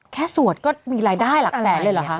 สวดก็มีรายได้หลักแสนเลยเหรอคะ